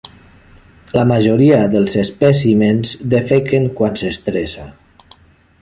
La majoria dels espècimens defequen quan s'estressa.